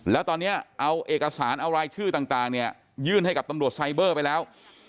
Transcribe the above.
แล้วตอนนี้เอาเอกสารเอารายชื่อต่างเนี่ยยื่นให้กับตำรวจไซเบอร์ไปแล้ว